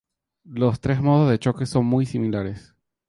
Los tres modos de choque son muy similares.